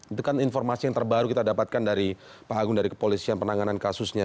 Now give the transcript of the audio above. itu kan informasi yang terbaru kita dapatkan dari pak agung dari kepolisian penanganan kasusnya